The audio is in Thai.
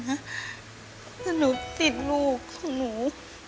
ถ้าหนูติดลูกของหนู